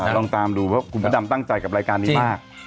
ต้องตามดูเพราะคุณพระดำตั้งใจกับรายการนี้มาก